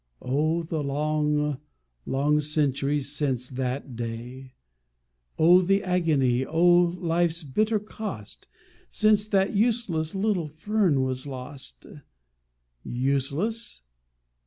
Oh, the long, long centuries since that day! Oh, the agony, Oh, life's bitter cost Since that useless little fern was lost! Useless?